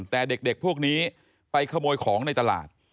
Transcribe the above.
แต่เด็กพวกนี้ไปขโมยของในตลาด